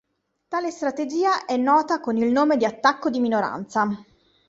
Tale strategia è nota con il nome di attacco di minoranza.